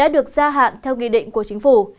được gia hạn theo nghị định của chính phủ